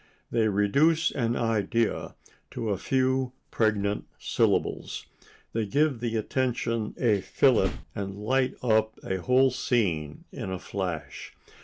They reduce an idea to a few pregnant syllables. They give the attention a fillip and light up a whole scene in a flash.